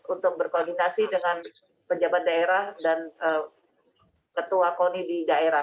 untuk berkoordinasi dengan pejabat daerah dan ketua koni di daerah